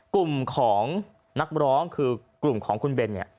กลุ่มของนักร้องคือกลุ่มของคุณเบนเนี่ย